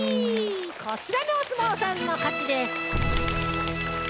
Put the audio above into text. こちらのおすもうさんのかちです！